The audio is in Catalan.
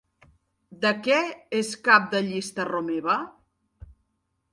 De què és cap de llista Romeva?